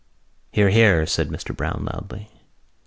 "Hear, hear!" said Mr Browne loudly.